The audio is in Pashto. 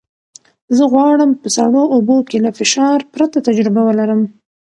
زه غواړم په سړو اوبو کې له فشار پرته تجربه ولرم.